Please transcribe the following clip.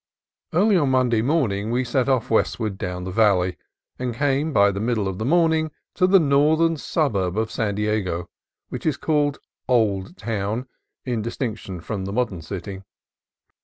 Early on Monday morning we set off westward down the valley, and came by the middle of the morning to the northern suburb of San Diego, which is called Old Town, in distinction from the modern city.